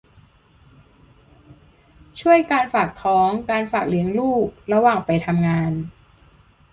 ช่วยการฝากท้อง การฝากเลี้ยงลูกระหว่างไปทำงาน